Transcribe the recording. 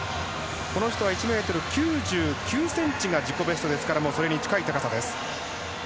この人は１ｍ９９ｃｍが自己ベストですからそれに近い高さです。